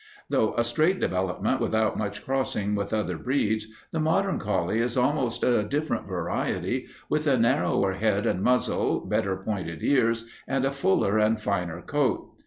"Though a straight development without much crossing with other breeds, the modern collie is almost a different variety, with a narrower head and muzzle, better pointed ears, and a fuller and finer coat.